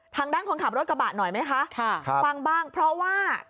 ทางด้านคนขับรถกระบะหน่อยไหมคะค่ะฟังบ้างเพราะว่า